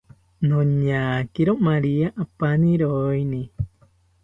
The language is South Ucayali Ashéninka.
Noñakiro maria apaniroeni